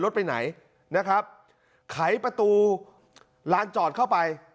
ไปไหนนะครับไขประตูลานจอดเข้าไป